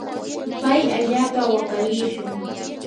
pay allaapa waqalishun.